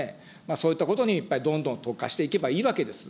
そういったことにどんどん特化していけばいいわけです。